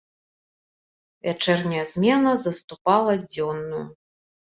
Вячэрняя змена заступала дзённую.